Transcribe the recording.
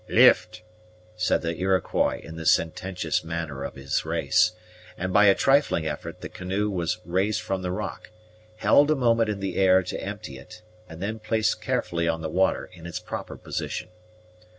"Lift," said the Iroquois in the sententious manner of his race; and by a trifling effort the canoe was raised from the rock, held a moment in the air to empty it, and then placed carefully on the water in its proper position.